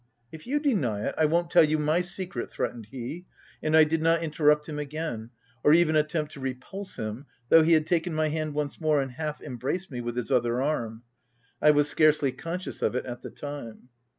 353 "If you deny it, I won't tell you my secret," threatened he ; and I did not inter rupt him again — or even attempt to repulse him, though he had taken my hand once more, and half embraced me with his other arm — I was scarcely conscious of it, at the time.